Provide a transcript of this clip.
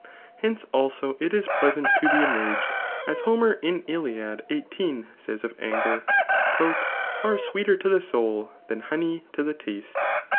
Hence^ also, it is pleasant to be enraged} as Homer [in Iliad, 18.] says of anger : Far sweeter to the soul than honey to the taste.